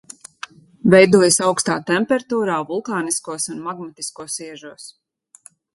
Veidojas augstā temperatūrā vulkāniskos un magmatiskos iežos.